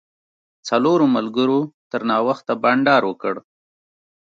څلورو ملګرو تر ناوخته بانډار وکړ.